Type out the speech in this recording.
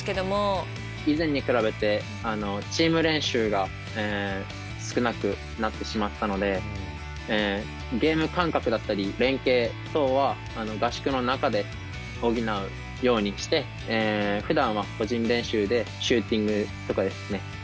以前に比べてチーム練習が少なくなってしまったのでゲーム感覚だったり連携等は合宿の中で補うようにしてふだんは個人練習でシューティングとかですね